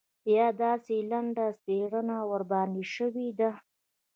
یا داسې لنډه څېړنه ورباندې شوې ده.